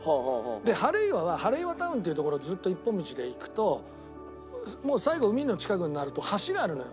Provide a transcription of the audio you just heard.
でハレイワはハレイワタウンっていう所をずっと一本道で行くともう最後海の近くになると橋があるのよ。